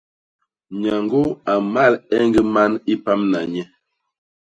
Nyañgô a mmal eñg man i pamna nye.